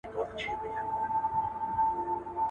• ارزان بې علته نه دئ، گران بې حکمته نه دئ.